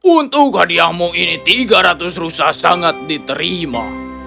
untuk hadiahmu ini tiga ratus rusa sangat diterima